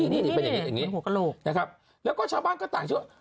นี่เป็นอย่างนี้นะครับแล้วก็ชาวบ้านก็ต่างชื่อว่า